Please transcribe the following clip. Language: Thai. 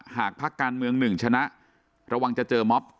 พักการเมืองหนึ่งชนะระวังจะเจอม็อบ